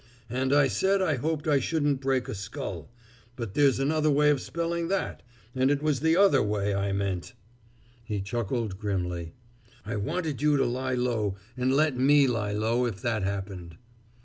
And I said I hoped I shouldn't break a scull but there's another way of spelling that, and it was the other way I meant!" He chuckled grimly. "I wanted you to lie low and let me lie low if that happened.